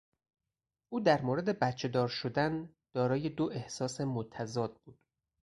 او در مورد بچهدار شدن دارای دو احساس متضاد بود.